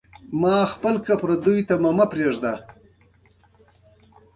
د ترور عصر یې بولي.